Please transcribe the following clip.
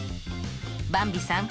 ばんびさん。